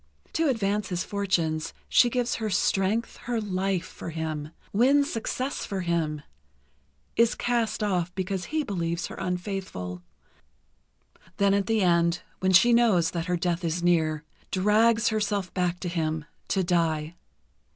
To advance his fortunes, she gives her strength, her life, for him, wins success for him, is cast off because he believes her unfaithful, then at the end, when she knows that her death is near, drags herself back to him, to die.